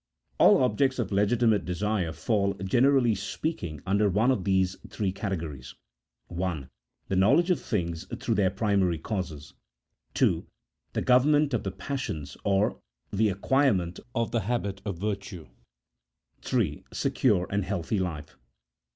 All objects of legitimate desire fall, generally speaking, under one of these three categories :— 1. The knowledge of things through their primary causes. 2. The government of the passions, or the acquirement of the habit of virtue. 3. Secure and healthy life.